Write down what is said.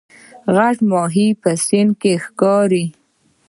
غټ ماهی په سیند کې ښکاري